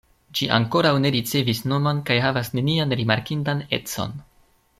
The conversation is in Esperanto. Ĝi ankoraŭ ne ricevis nomon kaj havas nenian rimarkindan econ.